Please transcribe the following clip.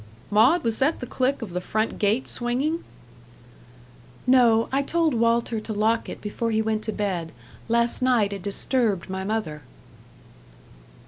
"Maud, was that the click of the front gate swinging?" "No, I told Walter to lock it before he went to bed. Last night it disturbed my mother."